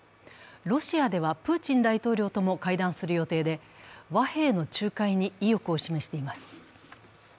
ロシアではプーチン大統領とも会談する予定で和平の仲介に意欲を示しています。